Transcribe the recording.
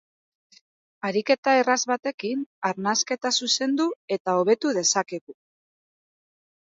Ariketa erraz batekin arnasketa zuzendu eta hobetu dezakegu.